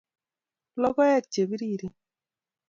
Lokoek chepiriren